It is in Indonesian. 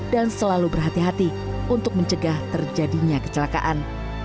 dan selalu berhati hati untuk mencegah terjadinya kecelakaan